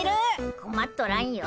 こまっとらんよ。